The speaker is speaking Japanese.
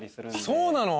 そうなの？